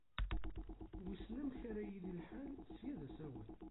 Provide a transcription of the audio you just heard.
Wissen amek ara yili lḥal ssya d asawen.